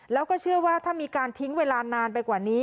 แล้วก็เชื่อว่าถ้ามีการทิ้งเวลานานไปกว่านี้